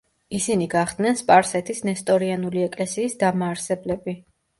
ისინი გახდნენ სპარსეთის ნესტორიანული ეკლესიის დამაარსებლები.